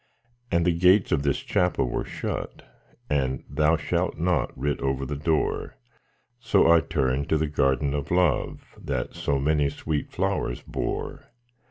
And the gates of this Chapel were shut, And 'Thou shalt not' writ over the door; So I turned to the Garden of Love That so many sweet flowers bore.